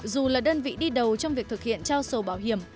dù là đơn vị đi đầu trong việc thực hiện trao sổ bảo hiểm